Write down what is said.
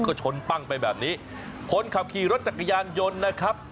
ก็ชนปั้งไปแบบนี้คนขับขี่รถจักรยานยนต์นะครับ